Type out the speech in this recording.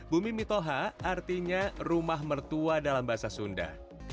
bumi mitoha artinya rumah mertua dalam bahasa sunda